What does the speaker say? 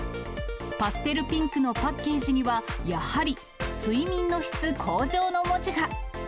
パステルピンクのパッケージには、やはり睡眠の質向上の文字が。